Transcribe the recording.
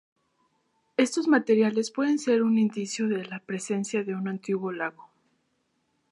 Estos materiales pueden ser un indicio de la presencia de un antiguo lago.